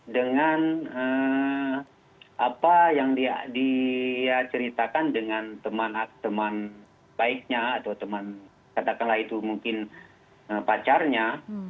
dengan apa yang dia ceritakan dengan teman baiknya atau teman katakanlah itu mungkin pacarnya